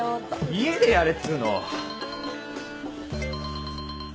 家でやれっつーの！